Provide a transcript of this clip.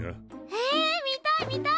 へえ見たい見たい！